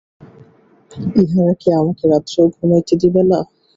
ইহারা কি আমাকে রাত্রেও ঘুমাইতে দিবে না!